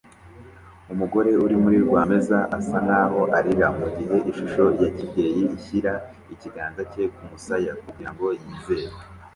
Umugore uri muri RWAMEZA asa nkaho arira mugihe ishusho ya kibyeyi ishyira ikiganza cye kumusaya kugirango yizere